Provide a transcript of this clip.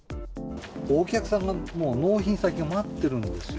お客さん、もう納品先が待ってるんですよ。